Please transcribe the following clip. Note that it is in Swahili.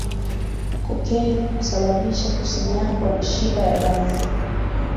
Cocaine husababisha kusinyaa kwa mishipa ya damu